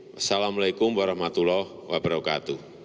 wassalamu'alaikum warahmatullahi wabarakatuh